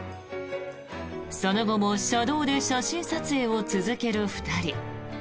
その後も車道で写真撮影を続ける２人。